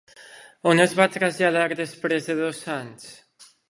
On es va traslladar després de dos anys?